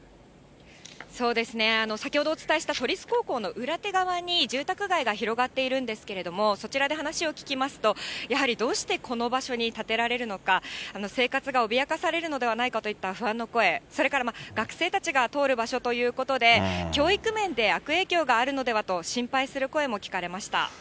そうですね、先ほどお伝えした都立高校の裏手側に住宅街が広がっているんですけれども、そちらで話を聞きますと、やはりどうしてこの場所に建てられるのか、生活が脅かされるのではないかといった不安の声、それから学生たちが通る場所ということで、教育面で悪影響があるのではと心配する声も聞かれました。